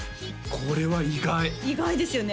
これは意外意外ですよね